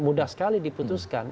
mudah sekali diputuskan